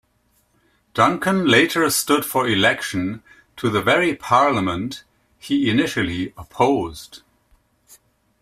Duncan later stood for election to the very parliament he initially opposed.